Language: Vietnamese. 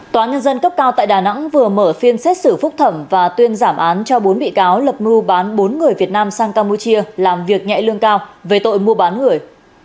tòa nhân dân cấp cao tại đà nẵng vừa mở phiên xét xử phúc thẩm và tuyên giảm án cho bốn bị cáo lập mưu bán bốn người việt nam sang campuchia làm việc nhẹ lương cao về tội mua bán người